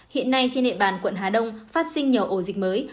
hiện nay trên địa bàn quận hà đông phát sinh nhiều ổ dịch mới